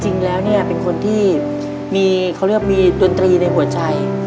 จริงแล้วเป็นคนที่เขาเรียกมีตัวนตรีในหัวใจ